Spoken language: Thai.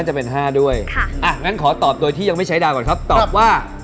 แต่ถ้าเวิร์ชน้องไม่มั่นใจแล้ว